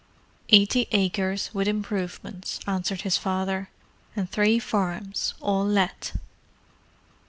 "Eighty acres, with improvements," answered his father. "And three farms—all let."